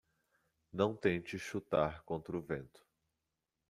Não tente chutar contra o vento.